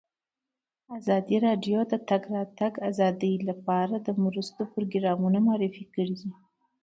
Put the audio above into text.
ازادي راډیو د د تګ راتګ ازادي لپاره د مرستو پروګرامونه معرفي کړي.